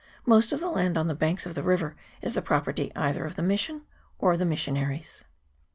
Most of the land on the banks of the river is the property either of the mission or the missionaries.